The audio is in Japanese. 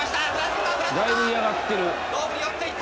だいぶ嫌がってる。